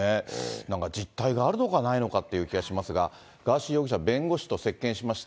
なんか実体があるのかないのかって気がしますが、ガーシー容疑者、弁護士と接見しまして。